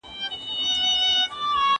په ژوند کي چي څوک زده کړي یو کمال د لېونیو